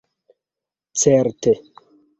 Certe